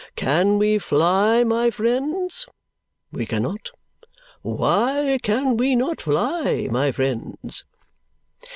Can we fly, my friends? We cannot. Why can we not fly, my friends?"